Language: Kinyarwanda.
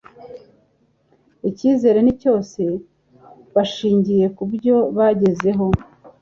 Ikizere ni cyose bashingiye ku byo bagezeho,